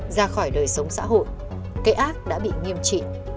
ra khỏi đời sống xã hội cây ác đã bị nghiêm trị